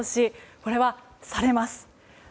これは、されます。